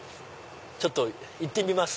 ちょっと行ってみます？